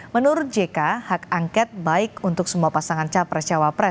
menurut jk hak angket baik untuk semua pasangan capres cawapres dua ribu dua puluh empat